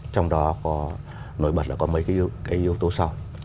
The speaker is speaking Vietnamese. trong đó có nổi bật là có mấy cái yếu tố sau